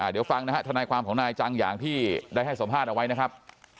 เดี๋ยวฟังนะฮะทนายความของนายจังอย่างที่ได้ให้สัมภาษณ์เอาไว้นะครับ